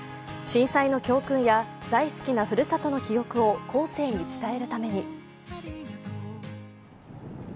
震災の教訓や大好きなふるさとの記憶を後世に伝えるために。